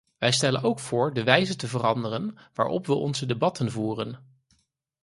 Wij stellen ook voor de wijze te veranderen waarop we onze debatten voeren.